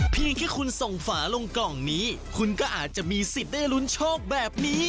ที่คุณส่งฝาลงกล่องนี้คุณก็อาจจะมีสิทธิ์ได้ลุ้นโชคแบบนี้